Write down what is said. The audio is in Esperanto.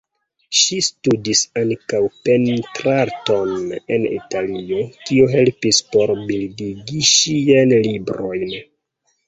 Ŝi studis ankaŭ pentrarton en Italio, kio helpis por bildigi ŝiajn librojn.